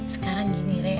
sekarang gini re